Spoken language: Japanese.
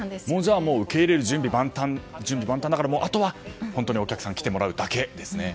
受け入れる準備は万端だからあとは、本当にお客さんに来てもらうだけですね。